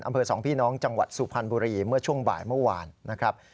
สองพี่น้องจังหวัดสุพรรณบุรีเมื่อช่วงบ่ายเมื่อวานนะครับ